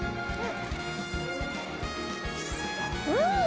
うん。